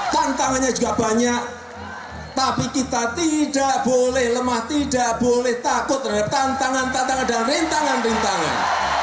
tantangannya juga banyak tapi kita tidak boleh lemah tidak boleh takut terhadap tantangan tantangan dan rintangan rintangan